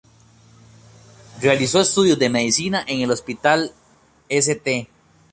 Realizó estudios de medicina en el Hospital St.